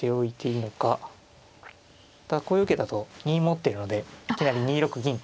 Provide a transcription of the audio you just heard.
ただこれを受けたあと銀持ってるのでいきなり２六銀と。